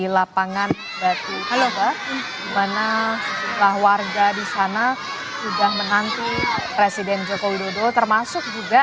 lapangan batu haloha mana setelah warga di sana sudah menanti presiden joko widodo termasuk juga